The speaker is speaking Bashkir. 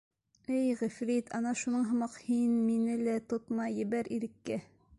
— Эй ғифрит, ана шуның һымаҡ, һин мине лә тотма, ебәр иреккә.